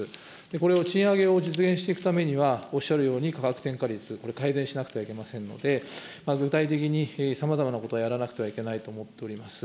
これを賃上げを実現していくためには、おっしゃるように、価格転嫁率、これ、改善しなくてはなりませんので、具体的にさまざまなことをやらなくてはいけないと思っております。